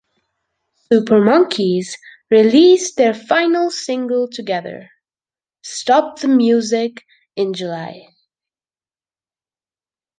Super Monkey's released their final single together, "Stop the Music" in July.